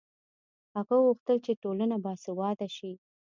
هغه غوښتل چې ټولنه باسواده شي.